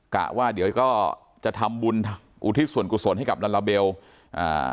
กะว่าเดี๋ยวก็จะทำบุญอุทิศส่วนกุศลให้กับลาลาเบลอ่า